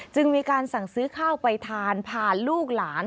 จึงมีการสั่งซื้อข้าวไปทานผ่านลูกหลาน